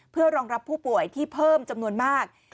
เพื่อรองรับผู้ป่วยที่เพิ่มจำนวนมาก